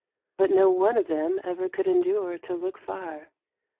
But no one of them ever could endure to look far.